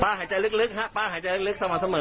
ป้าหายใจลึกครับป้าหายใจลึกสม่ำเสมอหน่อย